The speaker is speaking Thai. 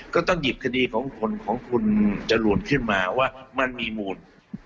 ก็ต้องหยิบคดีของคุณจรูนขึ้นมาว่ามันมีมูล